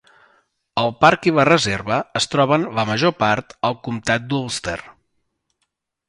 El parc i la reserva es troben la major part al comtat d'Ulster.